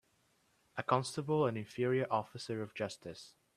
A constable an inferior officer of justice